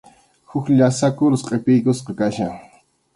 Huk llasa kurus qʼipiykusqa kachkan.